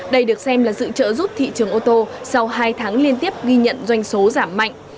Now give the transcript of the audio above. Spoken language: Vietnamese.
đây được xem là sự trợ giúp thị trường ô tô sau hai tháng liên tiếp ghi nhận doanh số giảm mạnh